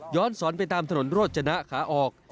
ย้อนซ้อนไปตามถนนโรจนะขาออก